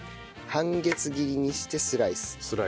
半月切りにしてスライス。